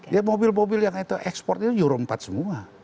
ya mobil mobil yang itu ekspor itu euro empat semua